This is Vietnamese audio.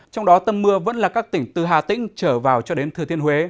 trong đó tâm mưa vẫn là các tỉnh từ hà tĩnh trở vào cho đến thừa thiên huế